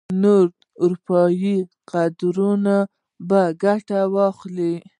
نور اروپايي قدرتونه به ګټه واخلي.